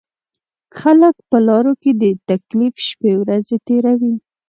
خلک په لارو کې د تکلیف شپېورځې تېروي.